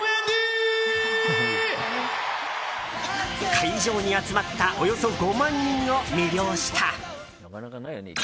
会場に集まったおよそ５万人を魅了した。